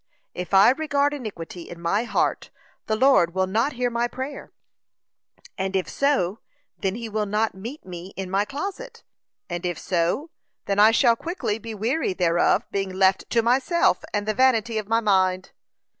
If I regard iniquity in my heart, the Lord will not hear my prayer; and if so, then he will not meet me in my closet; and if so, then I shall quickly be weary thereof, being left to myself, and the vanity of my mind.